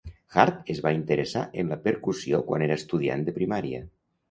Hart es va interessar en la percussió quan era estudiant de primària.